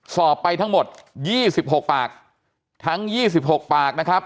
สอบไปทั้งหมดยี่สิบหกปากทั้งยี่สิบหกปากนะครับ